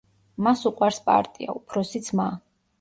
მას უყვარს პარტია, „უფროსი ძმა“.